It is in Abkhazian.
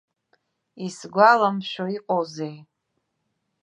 Исгәаламшәо иҟоузеи!